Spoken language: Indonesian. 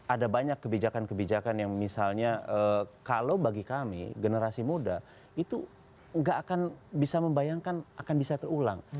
ada banyak kebijakan kebijakan yang misalnya kalau bagi kami generasi muda itu nggak akan bisa membayangkan akan bisa terulang